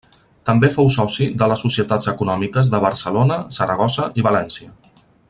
També fou soci de les Societats econòmiques de Barcelona, Saragossa i València.